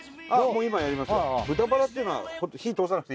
もう今やります